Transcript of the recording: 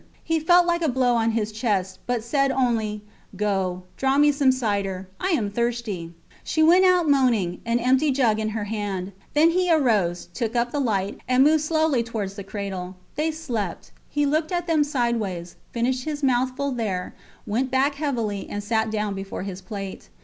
He felt like a blow on his chest, but said only: Go, draw me some cider. I am thirsty! She went out moaning, an empty jug in her hand. Then he arose, took up the light, and moved slowly towards the cradle. They slept. He looked at them sideways, finished his mouthful there, went back heavily, and sat down before his plate.